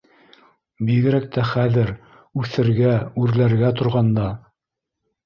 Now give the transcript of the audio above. Бигерәк тә хәҙер, үҫергә, үрләргә торғанда.